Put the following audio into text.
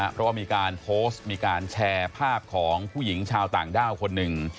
เพราะว่ามีการโพสต์มีการแชร์ภาพของผู้หญิงชาวต่างด้าวคนหนึ่ง